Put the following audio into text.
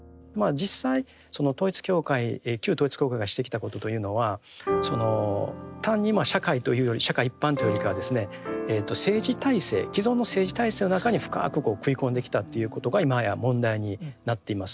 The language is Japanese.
実際その統一教会旧統一教会がしてきたことというのはその単にまあ社会というより社会一般というよりかはですね政治体制既存の政治体制の中に深くこう食い込んできたっていうことが今や問題になっています。